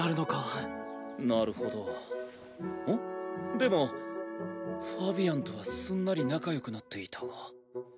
でもファビアンとはすんなり仲よくなっていたが。